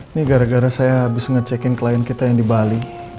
ini gara gara saya habis ngecekin klien kita yang di bali